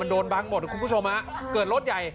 โดนบังหมดคุณผู้ชมฮะเกิดรถใหญ่